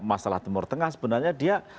masalah timur tengah sebenarnya dia